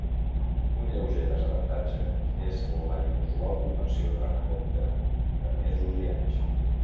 Un lleuger desavantatge és la inusual convenció de recompte de mesos i anys.